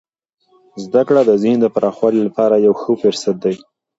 زده کړه د ذهن د پراخوالي لپاره یو ښه فرصت دی.